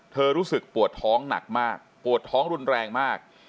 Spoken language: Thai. รู้สึกปวดท้องหนักมากปวดท้องรุนแรงมาก